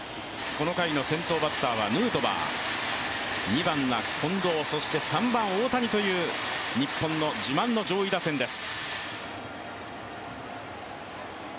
この回の先頭バッターはヌートバー、２番は近藤、そして３番・大谷という日本の自慢の上位打線です。